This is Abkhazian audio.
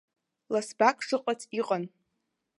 Ласбак шыҟац иҟан.